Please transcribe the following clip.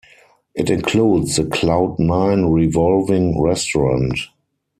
It includes the Cloud Nine revolving restaurant.